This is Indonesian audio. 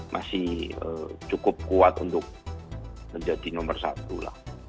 masih cukup kuat untuk menjadi nomor satu lah